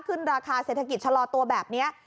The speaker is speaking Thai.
ขึ้นราคาเศรษฐกิจชะลอตัวแบบนี้